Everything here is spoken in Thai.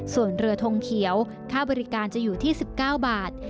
ส่วนเรือทงเขียวค่าบริการจะอยู่ที่๑๙บาท